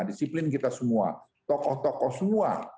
disiplin kita semua tokoh tokoh semua